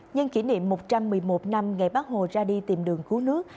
nhân kỷ niệm một trăm một mươi một năm ngày bác hồ ra đi tìm đường cứu nước